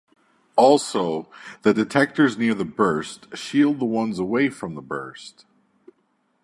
Also, the detectors near the burst shield the ones away from the burst.